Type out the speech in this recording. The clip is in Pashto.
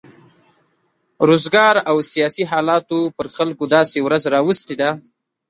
روزګار او سیاسي حالاتو پر خلکو داسې ورځ راوستې ده.